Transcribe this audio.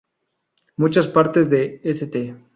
Muchas partes de St.